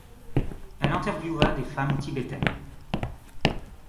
Elle interviewa des femmes tibétaines.